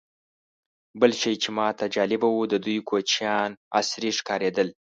بل شی چې ماته جالبه و، د دوی کوچیان عصري ښکارېدل.